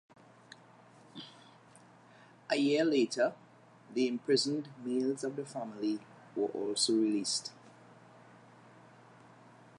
A year later, the imprisoned males of the family were also released.